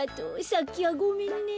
さっきはごめんね。